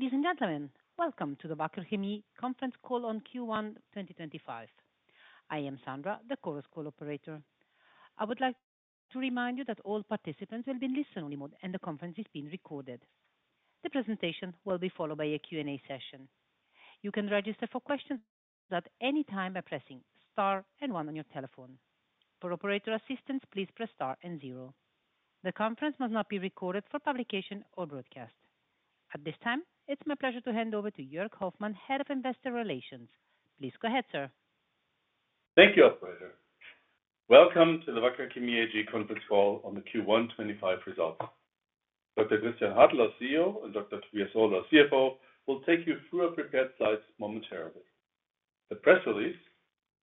Ladies and gentlemen, welcome to the Wacker Chemie Conference Call on Q1 2025. I am Sandra, the conference call operator. I would like to remind you that all participants will be in listen-only mode, and the conference is being recorded. The presentation will be followed by a Q&A session. You can register for questions at any time by pressing Star and one on your telephone. For operator assistance, please press Star and zero. The conference must not be recorded for publication or broadcast. At this time, it's my pleasure to hand over to Jörg Hoffmann, Head of Investor Relations. Please go ahead, sir. Thank you, Operator. Welcome to the Wacker Chemie AG Conference Call on the Q1 2025 results. Dr. Christian Hartel, our CEO, and Dr. Tobias Ohler, our CFO, will take you through our prepared slides momentarily. The press release,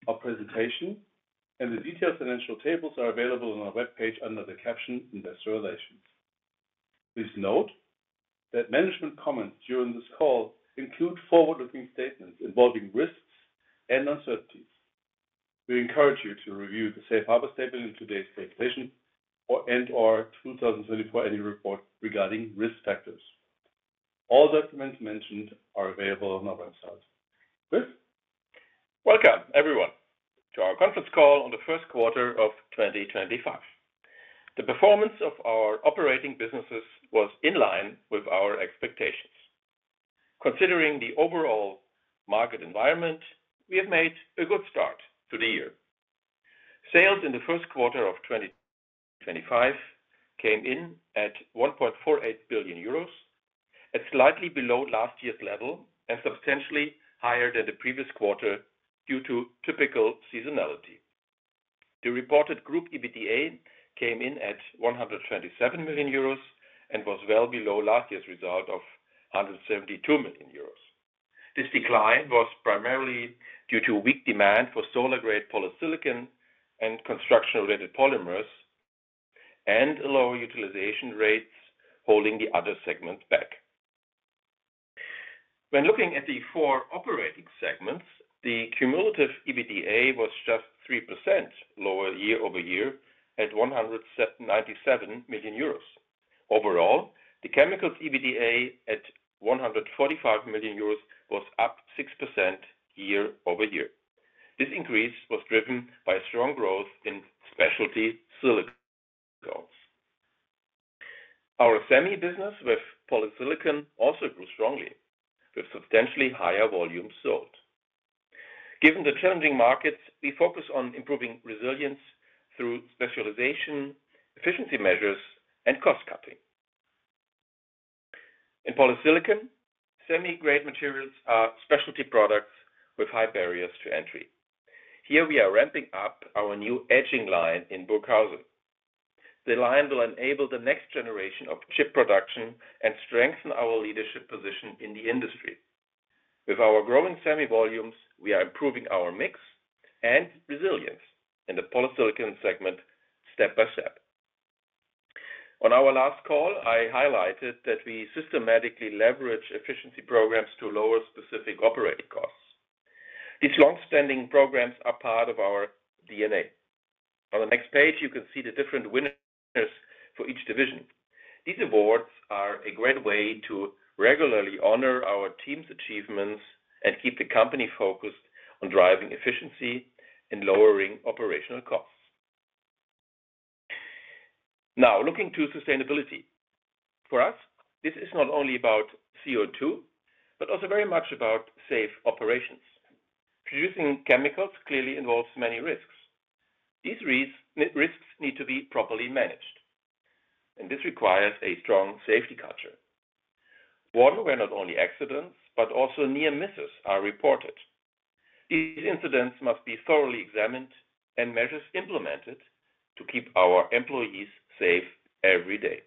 our presentation, and the detailed financial tables are available on our web page under the caption "Investor Relations." Please note that management comments during this call include forward-looking statements involving risks and uncertainties. We encourage you to review the Safe Harbor statement in today's presentation and/or 2024 annual report regarding risk factors. All documents mentioned are available on our website. Chris? Welcome, everyone, to our conference call on the first quarter of 2025. The performance of our operating businesses was in line with our expectations. Considering the overall market environment, we have made a good start to the year. Sales in the first quarter of 2025 came in at 1.48 billion euros, slightly below last year's level and substantially higher than the previous quarter due to typical seasonality. The reported group EBITDA came in at 127 million euros and was well below last year's result of 172 million euros. This decline was primarily due to weak demand for solar-grade polysilicon and construction-related polymers and lower utilization rates holding the other segments back. When looking at the four operating segments, the cumulative EBITDA was just 3% lower year-over-year at 197 million euros. Overall, the chemicals EBITDA at 145 million euros was up 6% year-over-year. This increase was driven by strong growth in specialty silicon results. Our semi business with polysilicon also grew strongly, with substantially higher volumes sold. Given the challenging markets, we focus on improving resilience through specialization, efficiency measures, and cost-cutting. In polysilicon, semi-grade materials are specialty products with high barriers to entry. Here, we are ramping up our new etching line in Burghausen. The line will enable the next generation of chip production and strengthen our leadership position in the industry. With our growing semi volumes, we are improving our mix and resilience in the polysilicon segment step by step. On our last call, I highlighted that we systematically leverage efficiency programs to lower specific operating costs. These long-standing programs are part of our DNA. On the next page, you can see the different winners for each division. These awards are a great way to regularly honor our team's achievements and keep the company focused on driving efficiency and lowering operational costs. Now, looking to sustainability. For us, this is not only about CO2, but also very much about safe operations. Producing chemicals clearly involves many risks. These risks need to be properly managed, and this requires a strong safety culture. One where not only accidents, but also near misses are reported. These incidents must be thoroughly examined and measures implemented to keep our employees safe every day.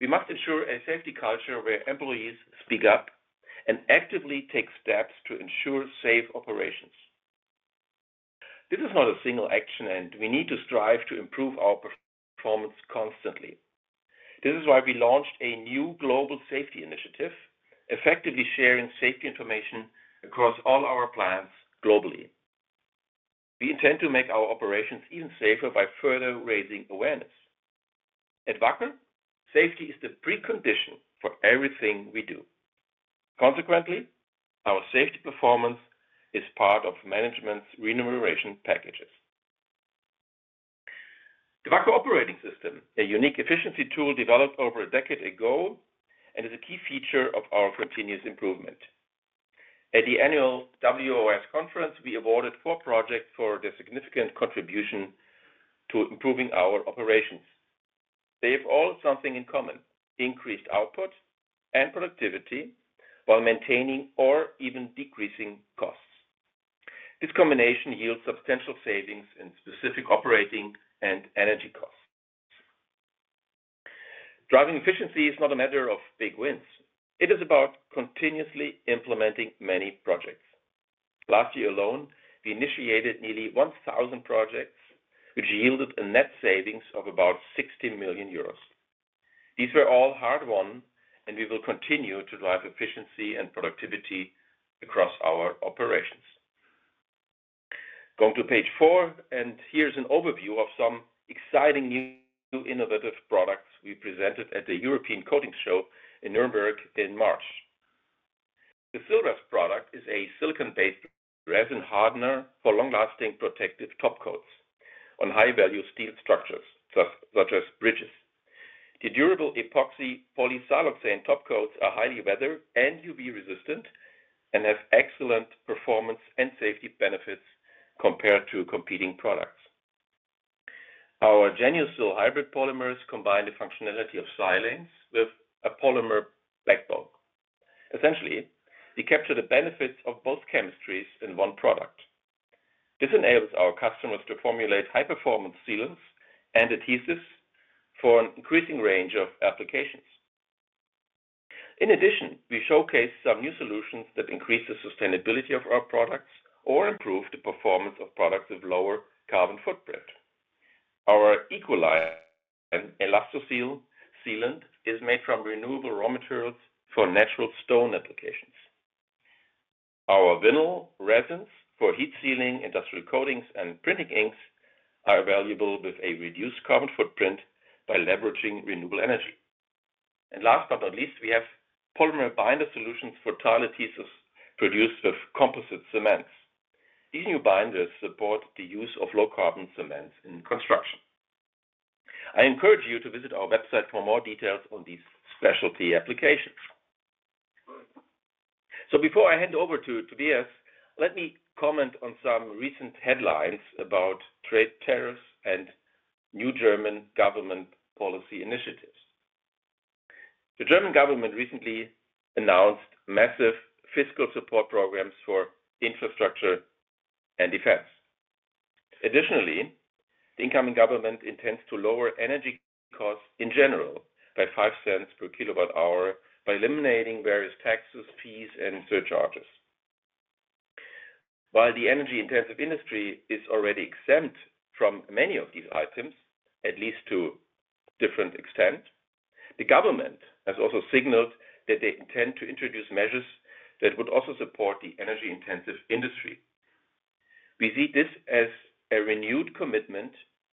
We must ensure a safety culture where employees speak up and actively take steps to ensure safe operations. This is not a single action, and we need to strive to improve our performance constantly. This is why we launched a new global safety initiative, effectively sharing safety information across all our plants globally. We intend to make our operations even safer by further raising awareness. At Wacker, safety is the precondition for everything we do. Consequently, our safety performance is part of management's remuneration packages. The Wacker Operating System, a unique efficiency tool developed over a decade ago, is a key feature of our continuous improvement. At the annual WOS Conference, we awarded four projects for their significant contribution to improving our operations. They have all something in common: increased output and productivity while maintaining or even decreasing costs. This combination yields substantial savings in specific operating and energy costs. Driving efficiency is not a matter of big wins. It is about continuously implementing many projects. Last year alone, we initiated nearly 1,000 projects, which yielded a net savings of about 60 million euros. These were all hard-won, and we will continue to drive efficiency and productivity across our operations. Going to page four, and here is an overview of some exciting new innovative products we presented at the European Coatings Show in Nuremberg in March. The SILRES product is a silicone-based resin hardener for long-lasting protective topcoats on high-value steel structures such as bridges. The durable epoxy polysiloxane topcoats are highly weather and UV-resistant and have excellent performance and safety benefits compared to competing products. Our GENIOSIL hybrid polymers combine the functionality of siloxanes with a polymer backbone. Essentially, we capture the benefits of both chemistries in one product. This enables our customers to formulate high-performance sealants and adhesives for an increasing range of applications. In addition, we showcase some new solutions that increase the sustainability of our products or improve the performance of products with lower carbon footprint. Our ELASTOSIL eco sealant is made from renewable raw materials for natural stone applications. Our vinyl resins for heat sealing, industrial coatings, and printing inks are available with a reduced carbon footprint by leveraging renewable energy. Last but not least, we have polymer binder solutions for tile adhesives produced with composite cements. These new binders support the use of low-carbon cements in construction. I encourage you to visit our website for more details on these specialty applications. Before I hand over to Tobias, let me comment on some recent headlines about trade tariffs and new German government policy initiatives. The German government recently announced massive fiscal support programs for infrastructure and defense. Additionally, the incoming government intends to lower energy costs in general by 5 cents per kilowatt-hour by eliminating various taxes, fees, and surcharges. While the energy-intensive industry is already exempt from many of these items, at least to a different extent, the government has also signaled that they intend to introduce measures that would also support the energy-intensive industry. We see this as a renewed commitment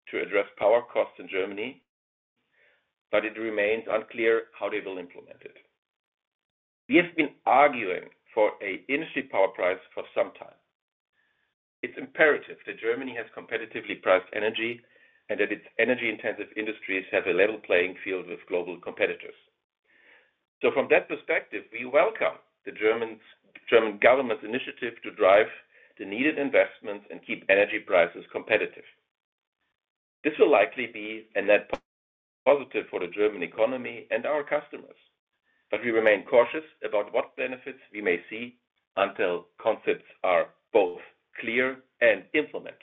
to address power costs in Germany, but it remains unclear how they will implement it. We have been arguing for an industry power price for some time. It's imperative that Germany has competitively priced energy and that its energy-intensive industries have a level playing field with global competitors. From that perspective, we welcome the German government's initiative to drive the needed investments and keep energy prices competitive. This will likely be a net positive for the German economy and our customers, but we remain cautious about what benefits we may see until concepts are both clear and implemented.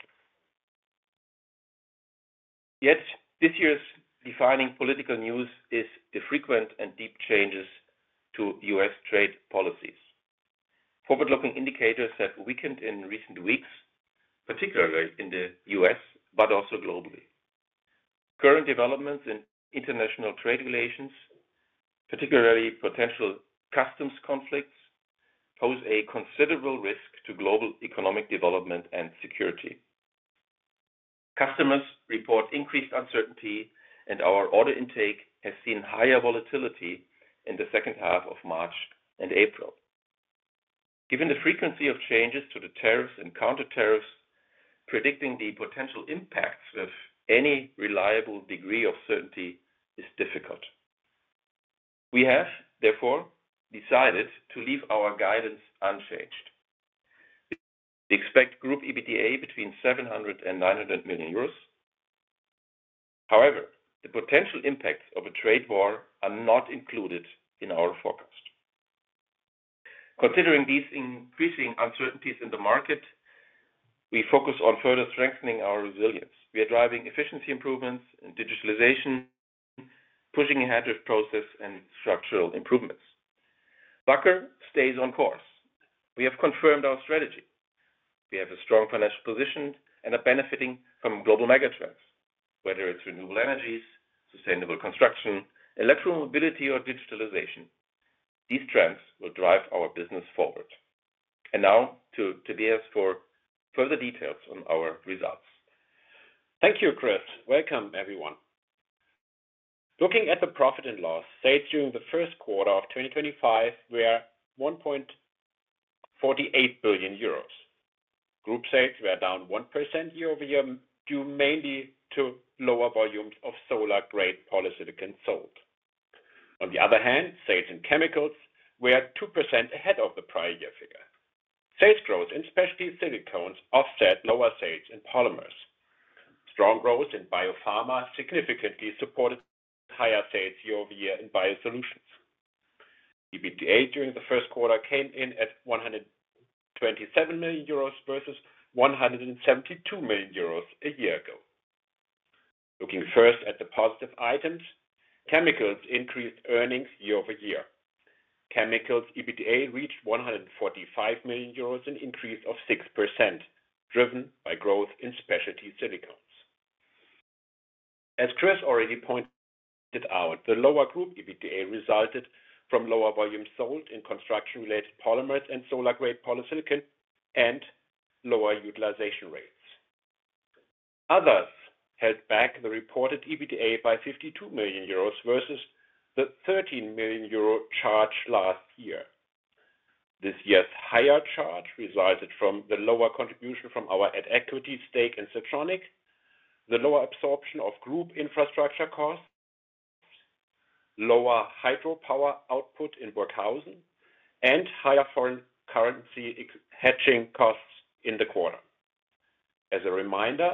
Yet this year's defining political news is the frequent and deep changes to U.S. trade policies. Forward-looking indicators have weakened in recent weeks, particularly in the U.S., but also globally. Current developments in international trade relations, particularly potential customs conflicts, pose a considerable risk to global economic development and security. Customers report increased uncertainty, and our order intake has seen higher volatility in the second half of March and April. Given the frequency of changes to the tariffs and countertariffs, predicting the potential impacts with any reliable degree of certainty is difficult. We have, therefore, decided to leave our guidance unchanged. We expect group EBITDA between 700 million euros and 900 million euros. However, the potential impacts of a trade war are not included in our forecast. Considering these increasing uncertainties in the market, we focus on further strengthening our resilience. We are driving efficiency improvements and digitalization, pushing ahead with process and structural improvements. Wacker stays on course. We have confirmed our strategy. We have a strong financial position and are benefiting from global megatrends, whether it's renewable energies, sustainable construction, electromobility, or digitalization. These trends will drive our business forward. Now to Tobias for further details on our results. Thank you, Chris. Welcome, everyone. Looking at the profit and loss sales during the first quarter of 2025, we are at 1.48 billion euros. Group sales were down 1% year-over-year, due mainly to lower volumes of solar-grade polysilicon sold. On the other hand, sales in chemicals were 2% ahead of the prior year figure. Sales growth in specialty silicones offset lower sales in polymers. Strong growth in biopharma significantly supported higher sales year-over-year in biosolutions. EBITDA during the first quarter came in at 127 million euros versus 172 million euros a year ago. Looking first at the positive items, chemicals increased earnings year-over-year. Chemicals' EBITDA reached 145 million euros and increased 6%, driven by growth in specialty silicones. As Chris already pointed out, the lower group EBITDA resulted from lower volumes sold in construction-related polymers and solar-grade polysilicon and lower utilization rates. Others held back the reported EBITDA by 52 million euros versus the 13 million euro charge last year. This year's higher charge resulted from the lower contribution from our equity stake in Siltronic, the lower absorption of group infrastructure costs, lower hydropower output in Burghausen, and higher foreign currency hedging costs in the quarter. As a reminder,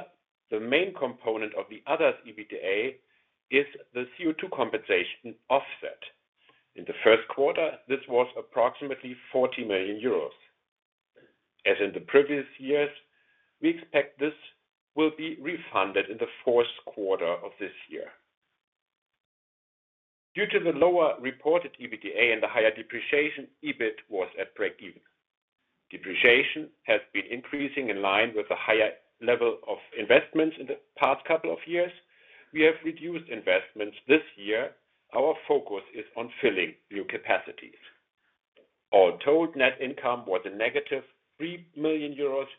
the main component of the others' EBITDA is the CO2 compensation offset. In the first quarter, this was approximately 40 million euros. As in the previous years, we expect this will be refunded in the fourth quarter of this year. Due to the lower reported EBITDA and the higher depreciation, EBIT was at break-even. Depreciation has been increasing in line with the higher level of investments in the past couple of years. We have reduced investments this year. Our focus is on filling new capacities. All told, net income was a negative 3 million euros,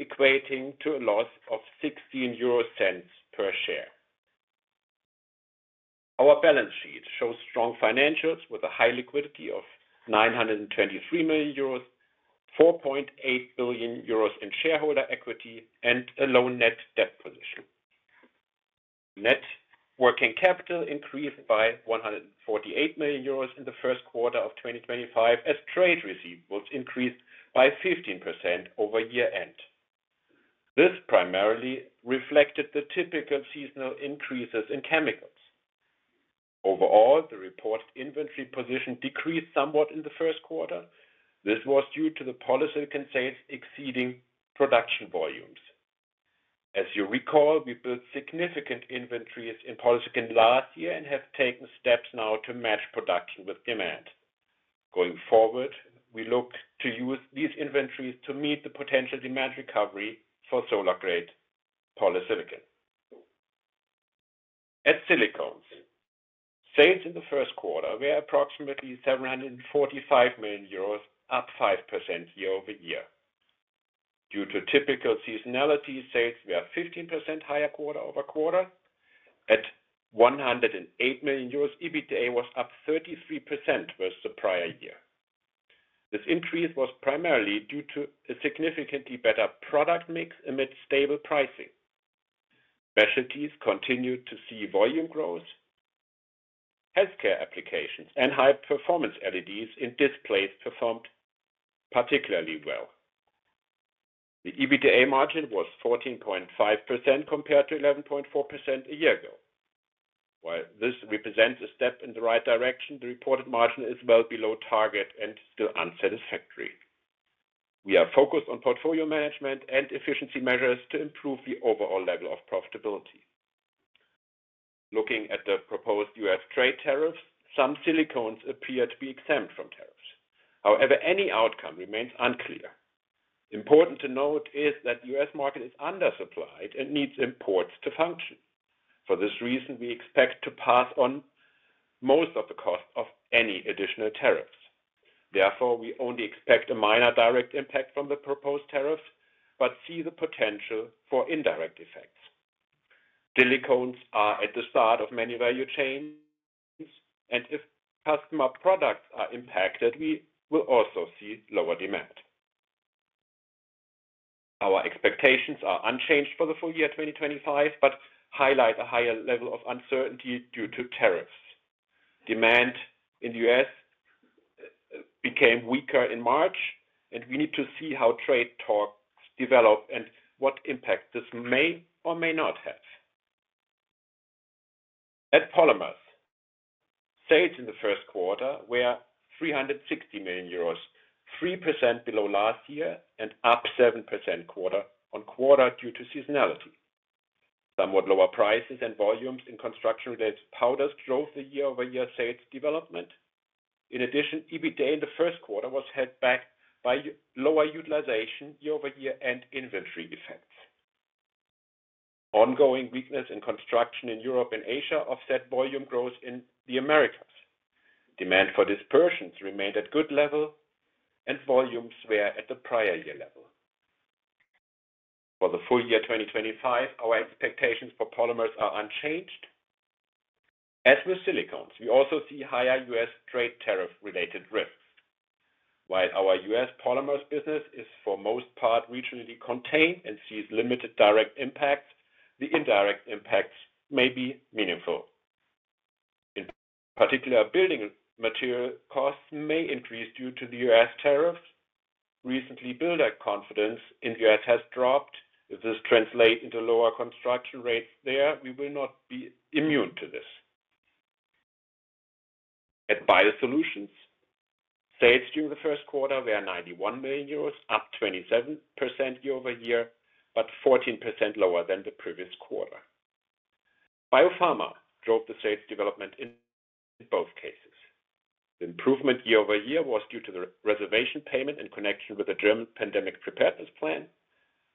equating to a loss of 16 euro per share. Our balance sheet shows strong financials with a high liquidity of 923 million euros, 4.8 billion euros in shareholder equity, and a low net debt position. Net working capital increased by 148 million euros in the first quarter of 2025 as trade receivables increased by 15% over year-end. This primarily reflected the typical seasonal increases in chemicals. Overall, the reported inventory position decreased somewhat in the first quarter. This was due to the polysilicon sales exceeding production volumes. As you recall, we built significant inventories in polysilicon last year and have taken steps now to match production with demand. Going forward, we look to use these inventories to meet the potential demand recovery for solar-grade polysilicon. At Silicones, sales in the first quarter were approximately 745 million euros, up 5% year-over-year. Due to typical seasonality, sales were 15% higher quarter over quarter. At 108 million euros, EBITDA was up 33% versus the prior year. This increase was primarily due to a significantly better product mix amid stable pricing. Specialties continued to see volume growth. Healthcare applications and high-performance LEDs in displays performed particularly well. The EBITDA margin was 14.5% compared to 11.4% a year ago. While this represents a step in the right direction, the reported margin is well below target and still unsatisfactory. We are focused on portfolio management and efficiency measures to improve the overall level of profitability. Looking at the proposed U.S. trade tariffs, some silicones appear to be exempt from tariffs. However, any outcome remains unclear. Important to note is that the U.S. market is undersupplied and needs imports to function. For this reason, we expect to pass on most of the cost of any additional tariffs. Therefore, we only expect a minor direct impact from the proposed tariffs but see the potential for indirect effects. Silicones are at the start of many value chains, and if customer products are impacted, we will also see lower demand. Our expectations are unchanged for the full year 2025 but highlight a higher level of uncertainty due to tariffs. Demand in the U.S. became weaker in March, and we need to see how trade talks develop and what impact this may or may not have. At Polymers, sales in the first quarter were 360 million euros, 3% below last year and up 7% quarter on quarter due to seasonality. Somewhat lower prices and volumes in construction-related powders drove the year-over-year sales development. In addition, EBITDA in the first quarter was held back by lower utilization year-over-year and inventory effects. Ongoing weakness in construction in Europe and Asia offset volume growth in the Americas. Demand for dispersions remained at good level, and volumes were at the prior year level. For the full year 2025, our expectations for polymers are unchanged. As with silicones, we also see higher U.S. trade tariff-related risks. While our U.S. polymers business is for most part regionally contained and sees limited direct impacts, the indirect impacts may be meaningful. In particular, building material costs may increase due to the U.S. tariffs. Recently, builder confidence in the U.S. has dropped. If this translates into lower construction rates there, we will not be immune to this. At biosolutions, sales during the first quarter were 91 million euros, up 27% year-over-year, but 14% lower than the previous quarter. Biopharma drove the sales development in both cases. The improvement year-over-year was due to the reservation payment in connection with the German pandemic preparedness plan.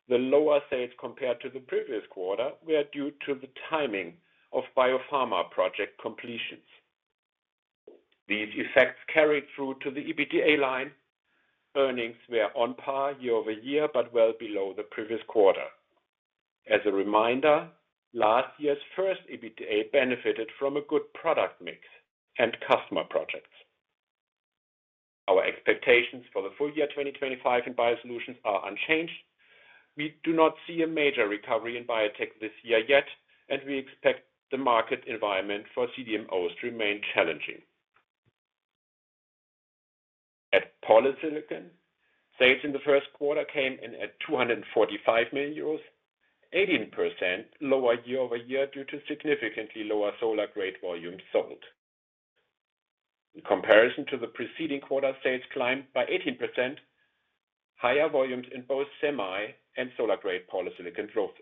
The lower sales compared to the previous quarter were due to the timing of biopharma project completions. These effects carried through to the EBITDA line. Earnings were on par year-over-year but well below the previous quarter. As a reminder, last year's first quarter EBITDA benefited from a good product mix and customer projects. Our expectations for the full year 2025 in biosolutions are unchanged. We do not see a major recovery in biotech this year yet, and we expect the market environment for CDMOs to remain challenging. At polysilicon, sales in the first quarter came in at 245 million euros, 18% lower year-over-year due to significantly lower solar-grade volumes sold. In comparison to the preceding quarter, sales climbed by 18%. Higher volumes in both semi and solar-grade polysilicon growths.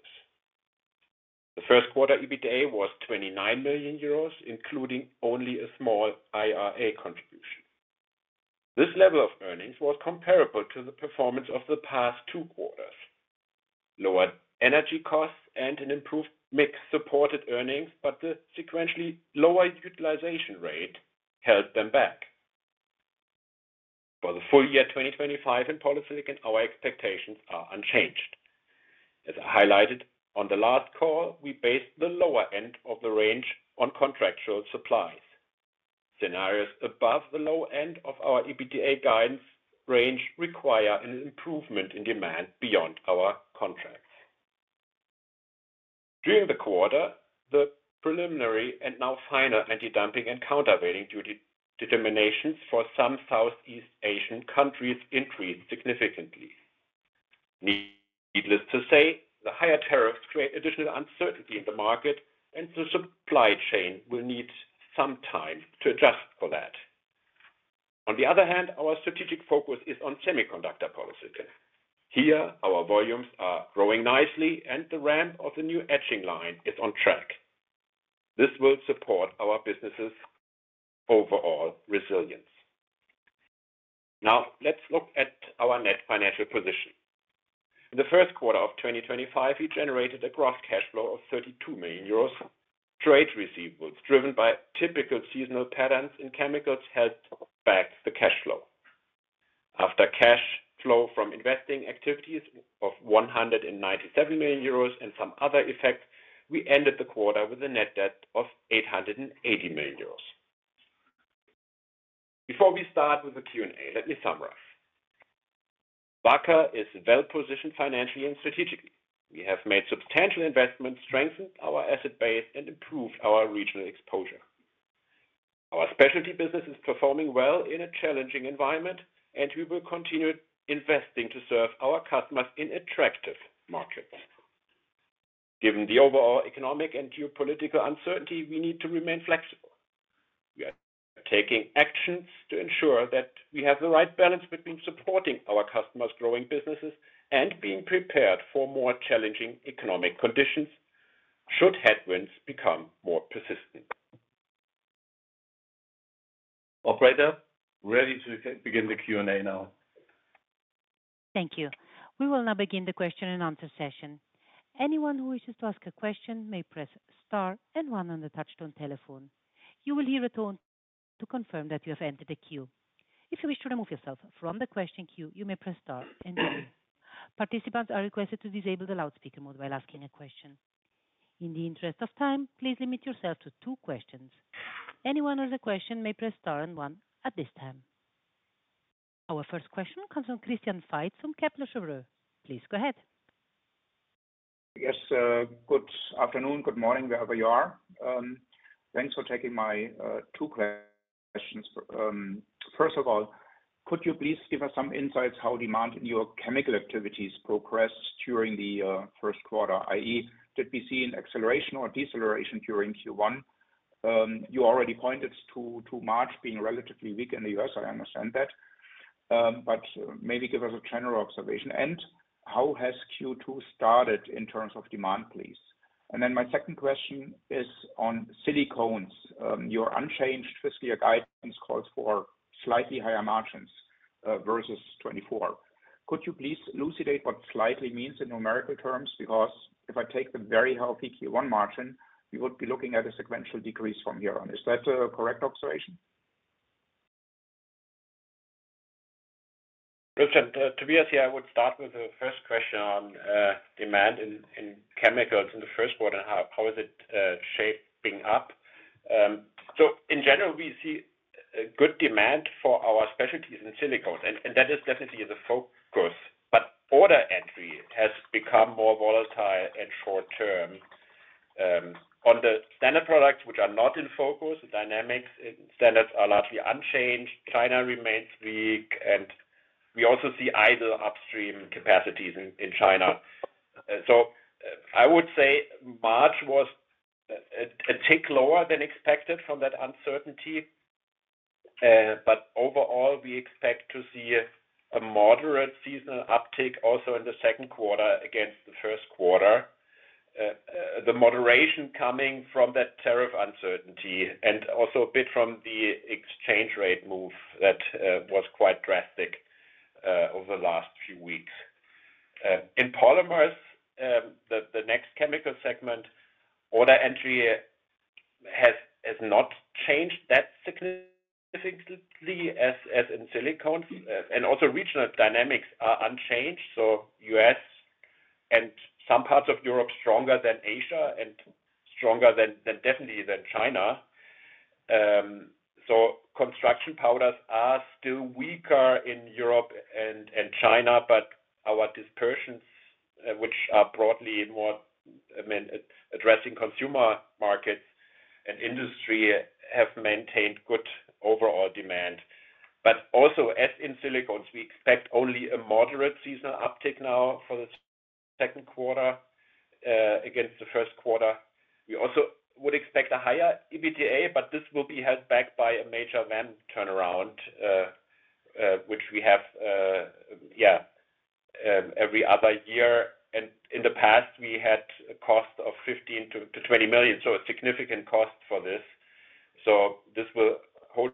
The first quarter EBITDA was 29 million euros, including only a small IRA contribution. This level of earnings was comparable to the performance of the past two quarters. Lower energy costs and an improved mix supported earnings, but the sequentially lower utilization rate held them back. For the full year 2025 in polysilicon, our expectations are unchanged. As I highlighted on the last call, we based the lower end of the range on contractual supplies. Scenarios above the low end of our EBITDA guidance range require an improvement in demand beyond our contracts. During the quarter, the preliminary and now final anti-dumping and countervailing duty determinations for some Southeast Asian countries increased significantly. Needless to say, the higher tariffs create additional uncertainty in the market, and the supply chain will need some time to adjust for that. On the other hand, our strategic focus is on semiconductor polysilicon. Here, our volumes are growing nicely, and the ramp of the new etching line is on track. This will support our business's overall resilience. Now, let's look at our net financial position. In the first quarter of 2025, we generated a gross cash flow of 32 million euros. Trade receivables driven by typical seasonal patterns in chemicals helped back the cash flow. After cash flow from investing activities of 197 million euros and some other effects, we ended the quarter with a net debt of 880 million euros. Before we start with the Q&A, let me summarize. Wacker is well-positioned financially and strategically. We have made substantial investments, strengthened our asset base, and improved our regional exposure. Our specialty business is performing well in a challenging environment, and we will continue investing to serve our customers in attractive markets. Given the overall economic and geopolitical uncertainty, we need to remain flexible. We are taking actions to ensure that we have the right balance between supporting our customers' growing businesses and being prepared for more challenging economic conditions should headwinds become more persistent. Ready to begin the Q&A now. Thank you. We will now begin the question-and-answer session. Anyone who wishes to ask a question may press Star and one on the touch-tone telephone. You will hear a tone to confirm that you have entered the queue. If you wish to remove yourself from the question queue, you may press Star and one. Participants are requested to disable the loudspeaker mode while asking a question. In the interest of time, please limit yourself to two questions. Anyone with a question may press Star and one at this time. Our first question comes from Christian Faitz from Kepler Cheuvreux. Please go ahead. Yes, good afternoon, good morning, wherever you are. Thanks for taking my two questions. First of all, could you please give us some insights on how demand in your chemical activities progressed during the first quarter, i.e., did we see an acceleration or deceleration during Q1? You already pointed to March being relatively weak in the U.S., I understand that. Maybe give us a general observation. How has Q2 started in terms of demand, please? My second question is on silicones. Your unchanged fiscal year guidance calls for slightly higher margins versus 2024. Could you please elucidate what slightly means in numerical terms? Because if I take the very healthy Q1 margin, we would be looking at a sequential decrease from here on. Is that a correct observation? Christian, to be honest here, I would start with the first question on demand in chemicals in the first quarter and how is it shaping up. In general, we see good demand for our specialties in silicones, and that is definitely the focus. Order entry has become more volatile at short term. On the standard products, which are not in focus, the dynamics in standards are largely unchanged. China remains weak, and we also see idle upstream capacities in China. I would say March was a tick lower than expected from that uncertainty. Overall, we expect to see a moderate seasonal uptick also in the second quarter against the first quarter. The moderation is coming from that tariff uncertainty and also a bit from the exchange rate move that was quite drastic over the last few weeks. In polymers, the next chemical segment, order entry has not changed that significantly as in silicones. Also, regional dynamics are unchanged. U.S. and some parts of Europe are stronger than Asia and definitely stronger than China. Construction powders are still weaker in Europe and China, but our dispersions, which are broadly more addressing consumer markets and industry, have maintained good overall demand. Also, as in silicones, we expect only a moderate seasonal uptick now for the second quarter against the first quarter. We also would expect a higher EBITDA, but this will be held back by a major VAM turnaround, which we have every other year. In the past, we had a cost of 15 million to 20 million, so a significant cost for this. This will hold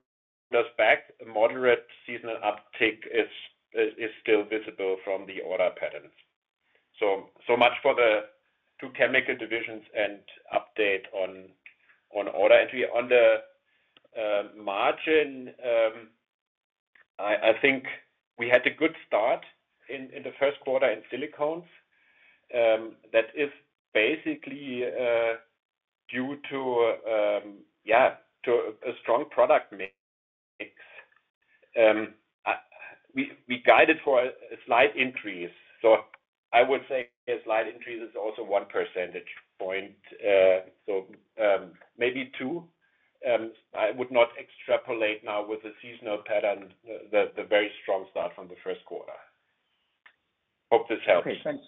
us back. A moderate seasonal uptick is still visible from the order patterns. Much for the two chemical divisions and update on order entry. On the margin, I think we had a good start in the first quarter in silicones. That is basically due to, yeah, to a strong product mix. We guided for a slight increase. I would say a slight increase is also one percentage point. Maybe two. I would not extrapolate now with the seasonal pattern the very strong start from the first quarter. Hope this helps. Okay, thanks.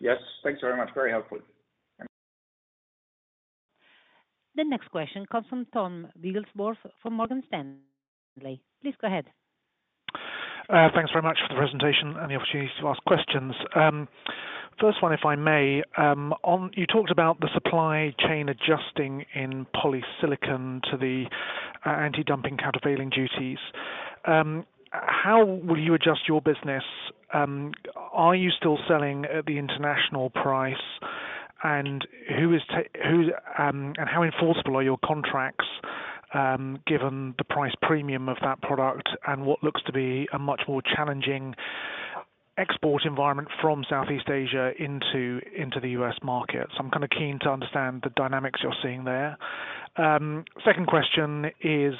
Yes, thanks very much. Very helpful. The next question comes from Thomas Wrigglesworth from Morgan Stanley. Please go ahead. Thanks very much for the presentation and the opportunity to ask questions. First one, if I may, you talked about the supply chain adjusting in polysilicon to the anti-dumping countervailing duties. How will you adjust your business? Are you still selling at the international price? How enforceable are your contracts given the price premium of that product and what looks to be a much more challenging export environment from Southeast Asia into the U.S. market? I am kind of keen to understand the dynamics you are seeing there. Second question is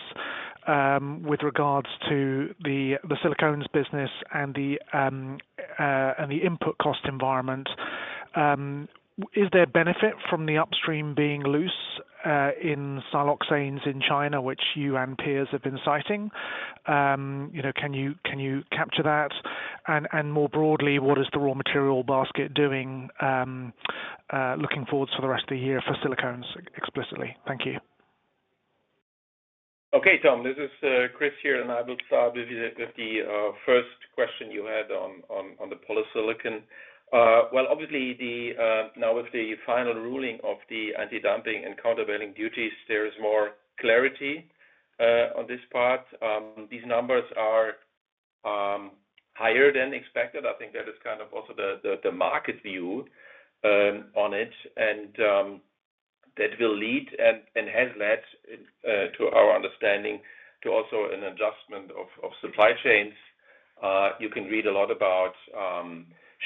with regards to the silicones business and the input cost environment. Is there benefit from the upstream being loose in siloxanes in China, which you and peers have been citing? Can you capture that? More broadly, what is the raw material basket doing? Looking forward to the rest of the year for silicones explicitly. Thank you. Okay, Tom, this is Chris here, and I will start with the first question you had on the polysilicon. Obviously, now with the final ruling of the anti-dumping and countervailing duties, there is more clarity on this part. These numbers are higher than expected. I think that is kind of also the market view on it. That will lead and has led to our understanding to also an adjustment of supply chains. You can read a lot about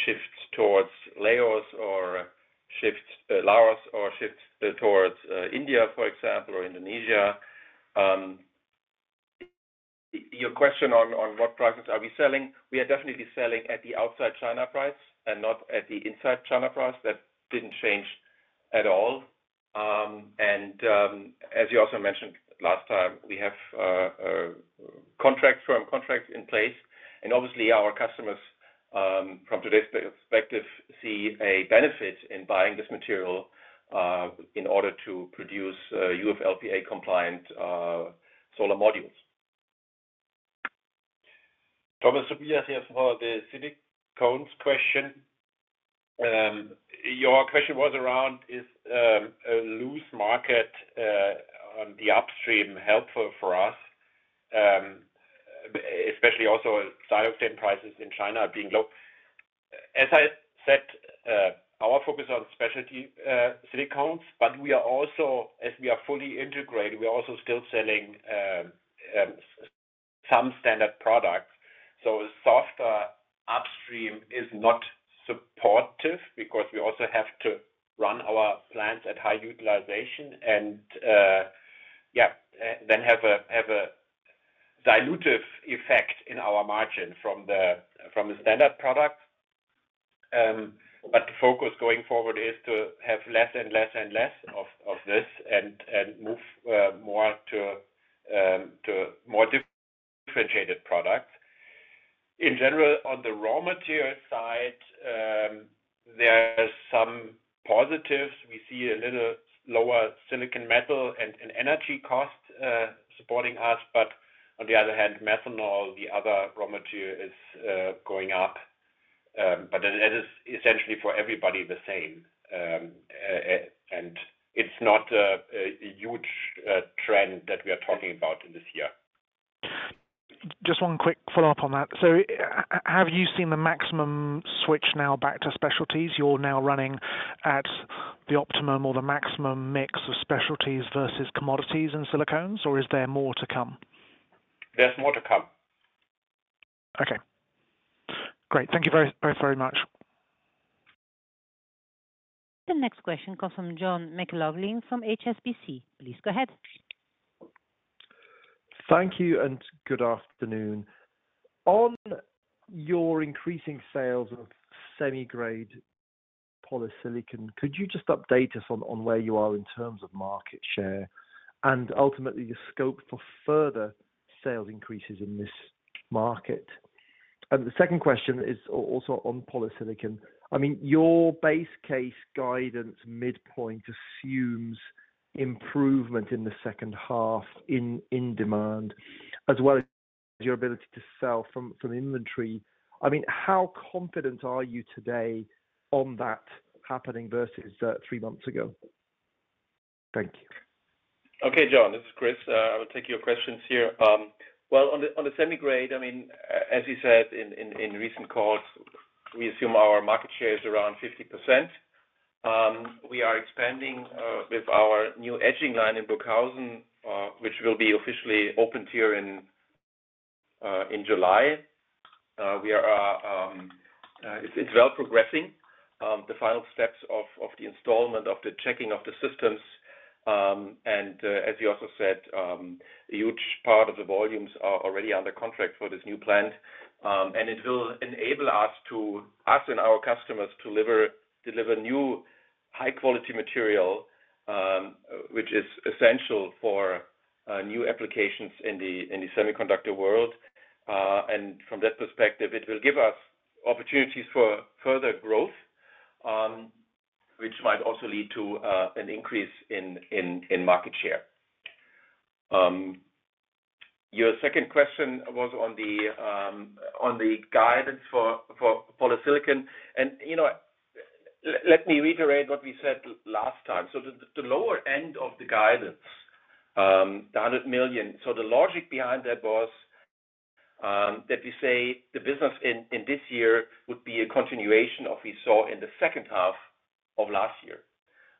shifts towards Laos or shifts towards India, for example, or Indonesia. Your question on what prices are we selling? We are definitely selling at the outside China price and not at the inside China price. That did not change at all. As you also mentioned last time, we have firm contracts in place. Obviously, our customers from today's perspective see a benefit in buying this material in order to produce UFLPA-compliant solar modules. Thomas, so here for the silicones question. Your question was around is a loose market on the upstream helpful for us, especially also siloxane prices in China being low. As I said, our focus is on specialty silicones, but we are also, as we are fully integrated, we are also still selling some standard products. A soft upstream is not supportive because we also have to run our plants at high utilization and, yeah, then have a dilutive effect in our margin from the standard product. The focus going forward is to have less and less and less of this and move more to more differentiated products. In general, on the raw material side, there are some positives. We see a little lower silicon metal and energy cost supporting us. On the other hand, methanol, the other raw material, is going up. That is essentially for everybody the same. It is not a huge trend that we are talking about this year. Just one quick follow-up on that. Have you seen the maximum switch now back to specialties? You're now running at the optimum or the maximum mix of specialties versus commodities and silicones, or is there more to come? There's more to come. Okay. Great. Thank you both very much. The next question comes from John McLoughlin from HSBC. Please go ahead. Thank you and good afternoon. On your increasing sales of semi-grade polysilicon, could you just update us on where you are in terms of market share and ultimately the scope for further sales increases in this market? The second question is also on polysilicon. I mean, your base case guidance midpoint assumes improvement in the second half in demand as well as your ability to sell from inventory. I mean, how confident are you today on that happening versus three months ago? Thank you. Okay, John, this is Chris. I will take your questions here. On the semi-grade, I mean, as you said in recent calls, we assume our market share is around 50%. We are expanding with our new etching line in Burghausen, which will be officially opened here in July. It is well progressing. The final steps of the installment of the checking of the systems. As you also said, a huge part of the volumes are already under contract for this new plant. It will enable us, us and our customers, to deliver new high-quality material, which is essential for new applications in the semiconductor world. From that perspective, it will give us opportunities for further growth, which might also lead to an increase in market share. Your second question was on the guidance for polysilicon. Let me reiterate what we said last time. The lower end of the guidance, the 100 million, the logic behind that was that we say the business in this year would be a continuation of what we saw in the second half of last year.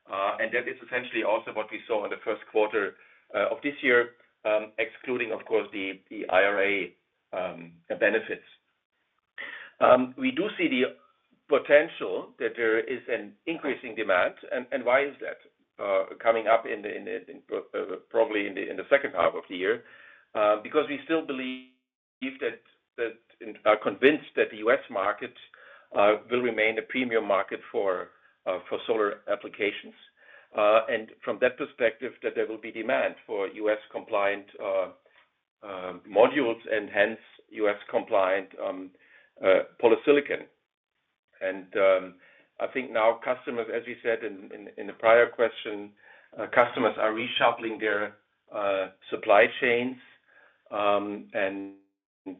That is essentially also what we saw in the first quarter of this year, excluding, of course, the IRA benefits. We do see the potential that there is an increasing demand. Why is that coming up probably in the second half of the year? We still believe that we are convinced that the U.S. market will remain a premium market for solar applications. From that perspective, there will be demand for U.S. compliant modules and hence U.S.-compliant polysilicon. I think now customers, as we said in the prior question, customers are reshuffling their supply chains.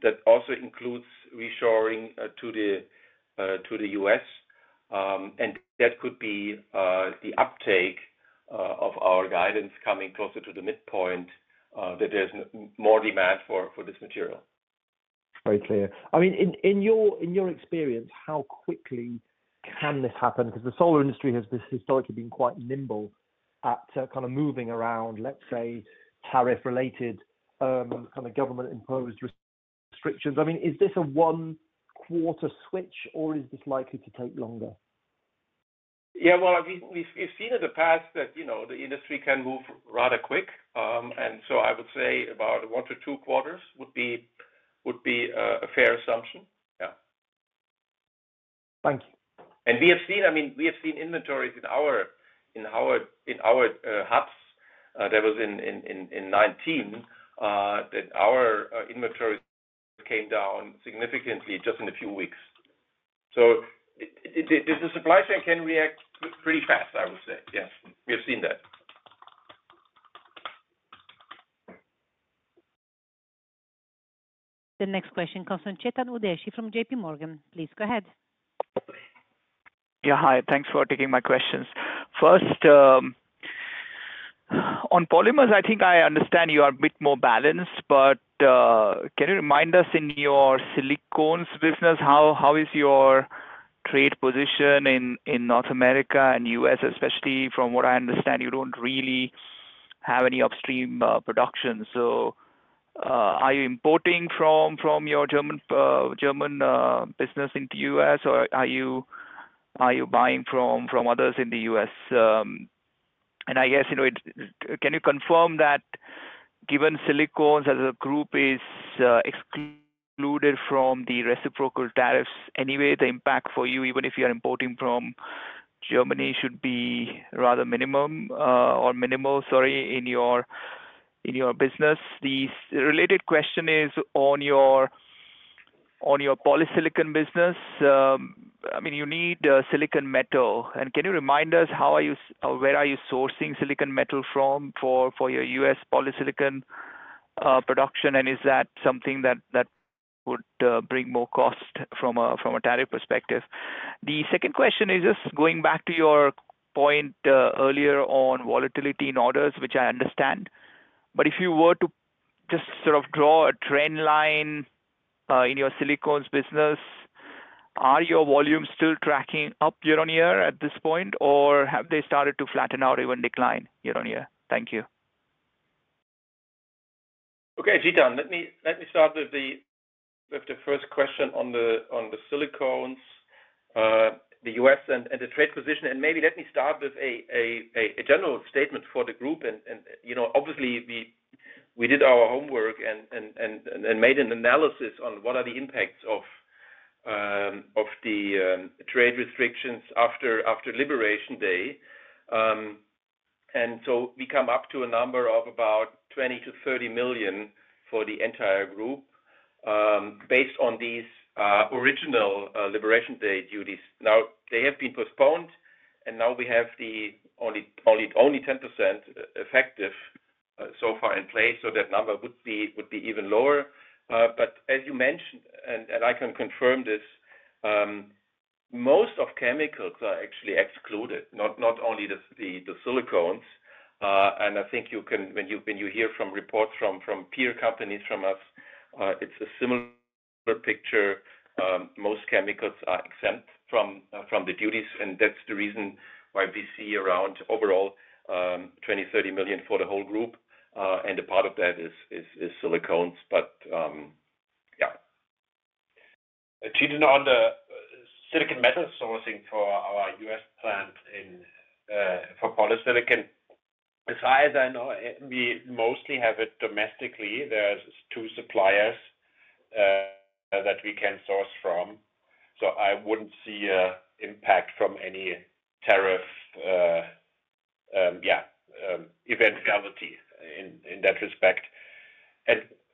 That also includes reshoring to the U.S.. That could be the uptake of our guidance coming closer to the midpoint that there's more demand for this material. Very clear. I mean, in your experience, how quickly can this happen? Because the solar industry has historically been quite nimble at kind of moving around, let's say, tariff-related kind of government-imposed restrictions. I mean, is this a one-quarter switch, or is this likely to take longer? Yeah, we have seen in the past that the industry can move rather quick. I would say about one to two quarters would be a fair assumption. Yeah. Thank you. We have seen, I mean, we have seen inventories in our hubs. That was in 2019 that our inventories came down significantly just in a few weeks. The supply chain can react pretty fast, I would say. Yes, we have seen that. The next question comes from Chetan Udeshi from J.P. Morgan. Please go ahead. Yeah, hi. Thanks for taking my questions. First, on polymers, I think I understand you are a bit more balanced. Can you remind us in your silicones business, how is your trade position in North America and U.S.? Especially from what I understand, you do not really have any upstream production. Are you importing from your German business into the U.S., or are you buying from others in the U.S.? I guess, can you confirm that given silicones as a group is excluded from the reciprocal tariffs anyway, the impact for you, even if you are importing from Germany, should be rather minimal or minimal, sorry, in your business? The related question is on your polysilicon business. I mean, you need silicon metal. Can you remind us how are you or where are you sourcing silicon metal from for your U.S. polysilicon production? Is that something that would bring more cost from a tariff perspective? The second question is just going back to your point earlier on volatility in orders, which I understand. If you were to just sort of draw a trend line in your silicones business, are your volumes still tracking up year on year at this point, or have they started to flatten out or even decline year on year? Thank you. Okay, Chetan, let me start with the first question on the silicones, the U.S. and the trade position. Maybe let me start with a general statement for the group. Obviously, we did our homework and made an analysis on what are the impacts of the trade restrictions after Liberation Day. We come up to a number of about €20 million-€30 million for the entire group based on these original Liberation Day duties. Now, they have been postponed, and now we have only 10% effective so far in place. That number would be even lower. As you mentioned, and I can confirm this, most of chemicals are actually excluded, not only the silicones. I think when you hear from reports from peer companies from us, it is a similar picture. Most chemicals are exempt from the duties. That is the reason why we see around overall €20 million-€30 million for the whole group. A part of that is silicones. Yeah. Chetan, on the silicon metal sourcing for our U.S. plant for polysilicon, as far as I know, we mostly have it domestically. There are two suppliers that we can source from. I would not see an impact from any tariff, yeah, eventuality in that respect.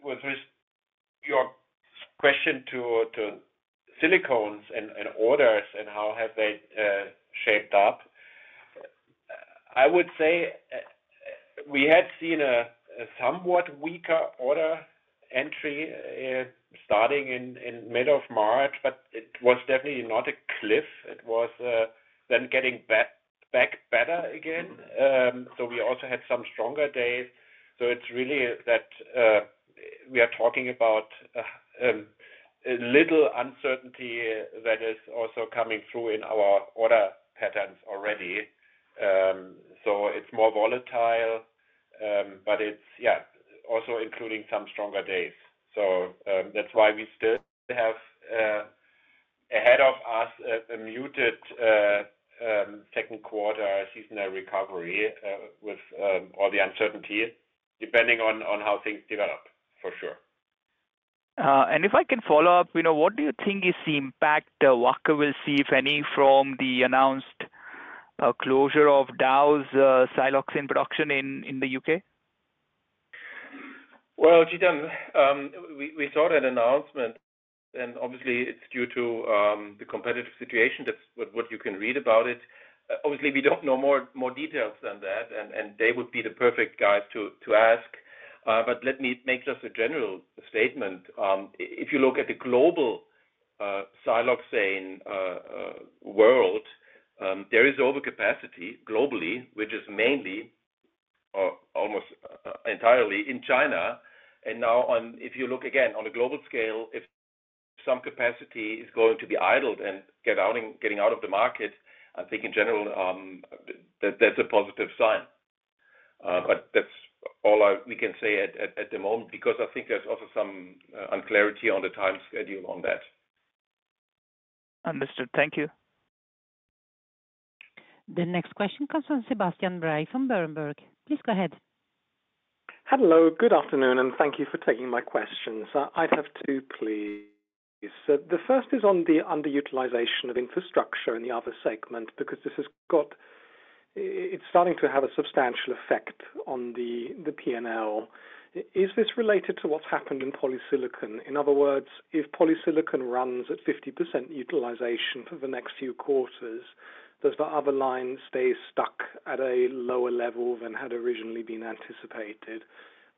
With your question to silicones and orders and how have they shaped up, I would say we had seen a somewhat weaker order entry starting in mid of March, but it was definitely not a cliff. It was then getting back better again. We also had some stronger days. It is really that we are talking about a little uncertainty that is also coming through in our order patterns already. It is more volatile, but it is, yeah, also including some stronger days. That is why we still have ahead of us a muted second quarter seasonal recovery with all the uncertainty depending on how things develop, for sure. If I can follow up, what do you think is the impact Wacker will see, if any, from the announced closure of Dow's siloxane production in the U.K.? Chetan, we saw that announcement. Obviously, it is due to the competitive situation. That is what you can read about it. Obviously, we do not know more details than that, and they would be the perfect guys to ask. Let me make just a general statement. If you look at the global siloxane world, there is overcapacity globally, which is mainly or almost entirely in China. If you look again on a global scale, if some capacity is going to be idled and getting out of the market, I think in general, that is a positive sign. That is all we can say at the moment because I think there is also some unclarity on the time schedule on that. Understood. Thank you. The next question comes from Sebastian Bray from Berenberg. Please go ahead. Hello. Good afternoon, and thank you for taking my questions. I'd have two please. The first is on the underutilization of infrastructure in the other segment because this has got it's starting to have a substantial effect on the P&L. Is this related to what's happened in polysilicon? In other words, if polysilicon runs at 50% utilization for the next few quarters, does the other line stay stuck at a lower level than had originally been anticipated?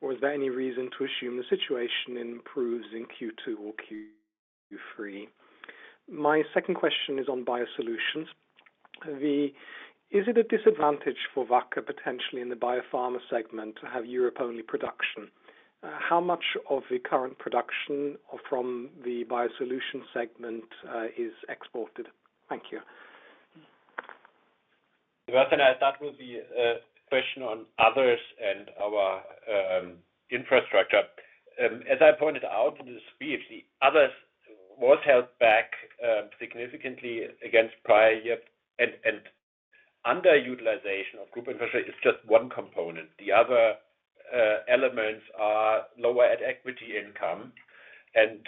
Is there any reason to assume the situation improves in Q2 or Q3? My second question is on biosolutions. Is it a disadvantage for Wacker potentially in the biopharma segment to have Europe-only production? How much of the current production from the biosolution segment is exported? Thank you. That will be a question on others and our infrastructure. As I pointed out in the speech, the others was held back significantly against prior years. Underutilization of group infrastructure is just one component. The other elements are lower at equity income and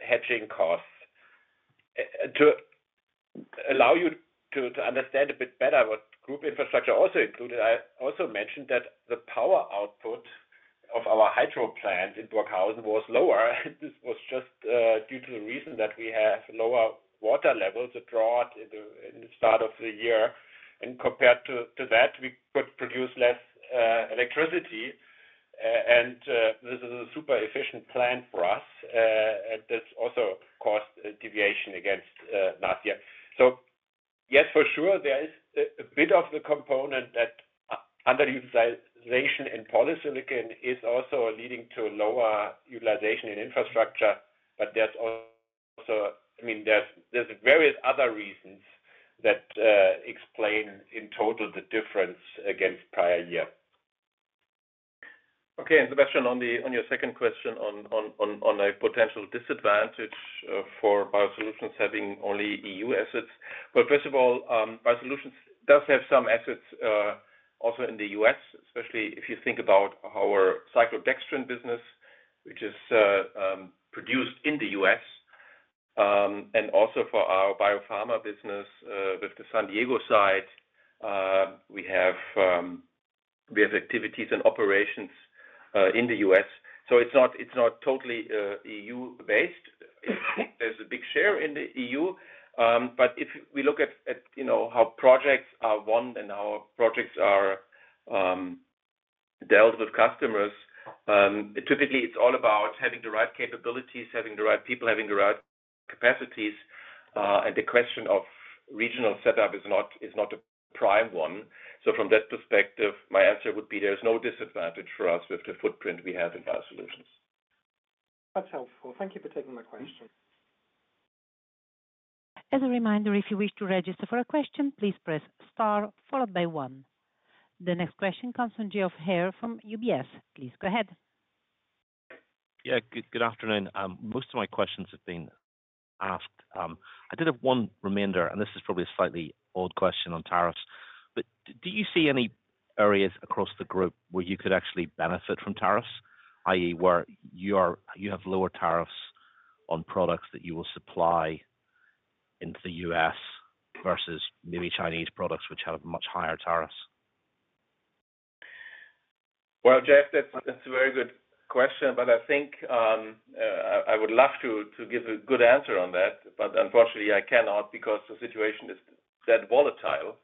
hedging costs. To allow you to understand a bit better what group infrastructure also included, I also mentioned that the power output of our hydro plant in Burghausen was lower. This was just due to the reason that we have lower water levels that draw in the start of the year. Compared to that, we could produce less electricity. This is a super efficient plant for us. That is also cost deviation against last year. Yes, for sure, there is a bit of the component that underutilization in polysilicon is also leading to lower utilization in infrastructure. There are also, I mean, various other reasons that explain in total the difference against prior year. Okay. Sebastian, on your second question on a potential disadvantage for biosolutions having only EU assets. First of all, biosolutions does have some assets also in the U.S., especially if you think about our cyclodextrin business, which is produced in the U.S.. Also, for our biopharma business with the San Diego site, we have activities and operations in the U.S.. It is not totally EU-based. There is a big share in the EU. If we look at how projects are won and how projects are dealt with customers, typically, it is all about having the right capabilities, having the right people, having the right capacities. The question of regional setup is not a prime one. From that perspective, my answer would be there is no disadvantage for us with the footprint we have in biosolutions. That's helpful. Thank you for taking my question. As a reminder, if you wish to register for a question, please press star followed by one. The next question comes from Geoff Haire from UBS. Please go ahead. Yeah, good afternoon. Most of my questions have been asked. I did have one remainder, and this is probably a slightly odd question on tariffs. Do you see any areas across the group where you could actually benefit from tariffs, i.e., where you have lower tariffs on products that you will supply into the U.S. versus maybe Chinese products which have much higher tariffs? Geoff, that's a very good question. I think I would love to give a good answer on that. Unfortunately, I cannot because the situation is that volatile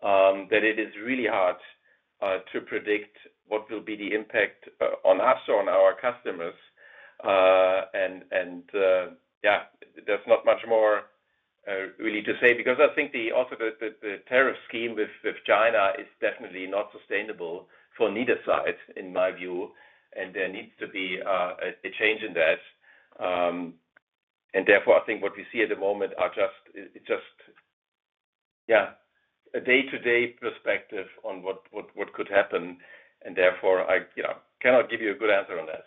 that it is really hard to predict what will be the impact on us or on our customers. Yeah, there is not much more really to say because I think also the tariff scheme with China is definitely not sustainable for neither side, in my view. There needs to be a change in that. Therefore, I think what we see at the moment are just, yeah, a day-to-day perspective on what could happen. Therefore, I cannot give you a good answer on that.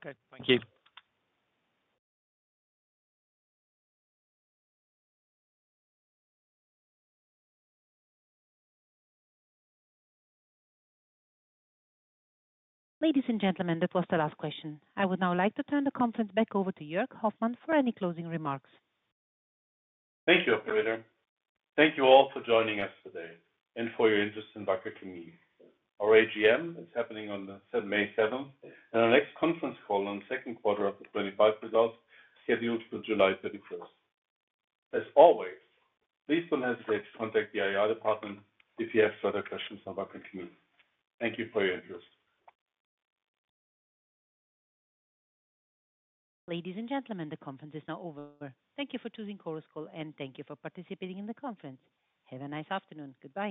Okay. Thank you. Ladies and gentlemen, that was the last question. I would now like to turn the conference back over to Jörg Hoffmann for any closing remarks. Thank you, Operator. Thank you all for joining us today and for your interest in Wacker Chemie. Our AGM is happening on May 7, and our next conference call on the second quarter of the 2025 results is scheduled for July 31. As always, please do not hesitate to contact the IR department if you have further questions on Wacker Chemie. Thank you for your interest. Ladies and gentlemen, the conference is now over. Thank you for choosing Wacker Chemie, and thank you for participating in the conference. Have a nice afternoon. Goodbye.